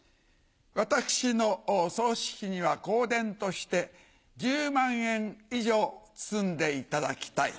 私の葬式には香典として１０万円以上包んでいただきたい。